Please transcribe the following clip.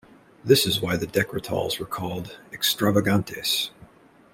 This is why these Decretals were called "Extravagantes".